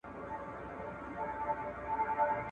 چي به ستړی سو او تګ به یې کرار سو ,